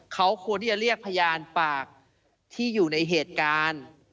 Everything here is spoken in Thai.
เขาควรที่จะเรียกพยานปากที่อยู่ในเหตุการณ์